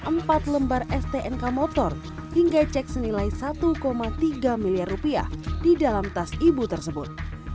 empat lembar stnk motor hingga cek senilai satu tiga miliar rupiah di dalam tas ibu tersebut